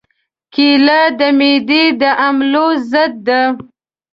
کېله د معدې د حملو ضد ده.